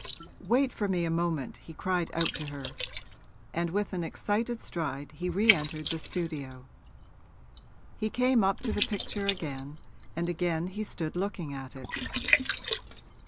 'Wait for me a moment!' he cried out to her; and with an excited stride he re entered the studio. He came up to the picture again, and again he stood looking at it.